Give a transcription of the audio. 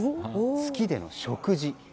月での食事。